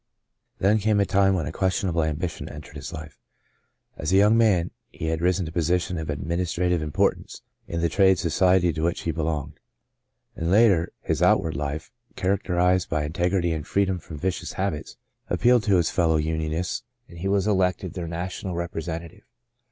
Then came a time when a questionable ambition entered his life. As a young man, he had risen to positions of administrative importance in the trade society to which he belonged ; and later, his outward life, charac terized by integrity and freedom from vicious habits, appealed to his fellow unionists and he was elected their national representative.